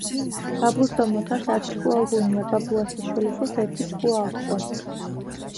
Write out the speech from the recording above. ბაბუს დო მოთას ართ ჭკუა უღუნია."ბაბუას და შვილიშვილს ერთი ჭკუა აქვსო."